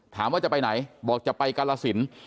ถามว่าจะไปไหนบอกจะไปกรรศิลป์